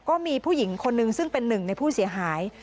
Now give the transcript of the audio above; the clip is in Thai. ก็มีผู้หญิงคนนึงซึ่งเป็นหนึ่งในผู้เสียหาย